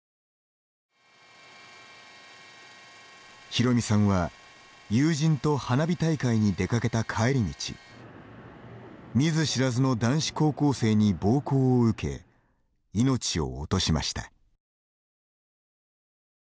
博美さんは友人と花火大会に出かけた帰り道見ず知らずの男子高校生に暴行を受け、命を落としました。